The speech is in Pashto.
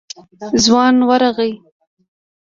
ځوان ورغی.